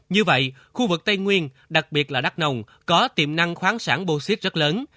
như vậy khu vực tây nguyên đặc biệt là đắk nông có tiềm năng khoáng sản bô xít rất lớn